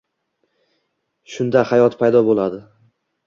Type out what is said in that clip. Shunda savol paydo bo‘ladi: